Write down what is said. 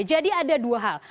jadi ada dua hal